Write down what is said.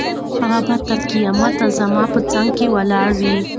هغه به تر قیامته زما په څنګ کې ولاړه وي.